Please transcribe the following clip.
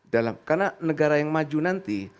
karena negara yang maju nanti